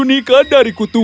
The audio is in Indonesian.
kami akan menemukan telurmu